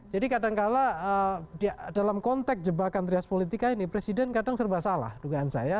kadangkala dalam konteks jebakan trias politika ini presiden kadang serba salah dugaan saya